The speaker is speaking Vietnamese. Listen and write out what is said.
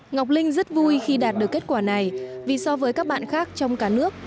ngọc linh rất vui khi đạt được kết quả này vì so với các bạn khác trong cả nước